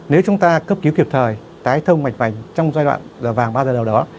nếu chúng ta cấp cứu kịp thời tái thông mạch vành trong giai đoạn vàng ba giờ đầu đó